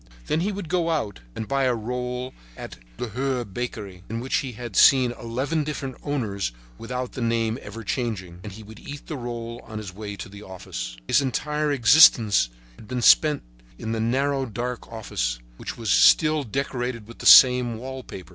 Then he would go out, buy a roll at the Lahure Bakery, in which he had seen eleven different owners without the name ever changing, and he would eat this roll on the way to the office. His entire existence had been spent in the narrow, dark office, which was still decorated with the same wall paper.